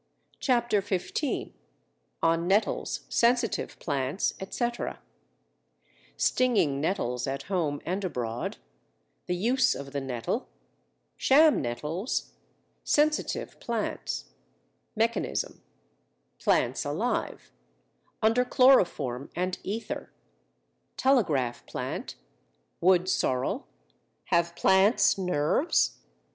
CHAPTER XV ON NETTLES, SENSITIVE PLANTS, ETC. Stinging nettles at home and abroad The use of the nettle Sham nettles Sensitive plants Mechanism Plants alive, under chloroform and ether Telegraph plant Woodsorrel Have plants nerves?